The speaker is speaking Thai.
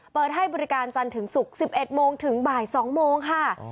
เปิดให้บริการจันทร์ถึงศุกร์๑๑โมงถึงบ่าย๒โมงค่ะ